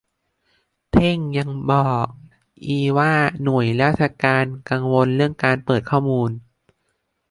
เท้งยังบอกอีกว่าหน่วยราชการกังวลเรื่องการเปิดข้อมูล